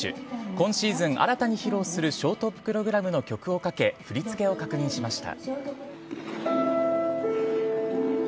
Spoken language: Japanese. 今シーズン新たに披露するショートプログラムの曲をかけ振り付けを確認しました。